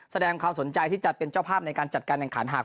แสดงความสนใจที่จะเป็นเจ้าภาพในการจัดการแข่งขันหาก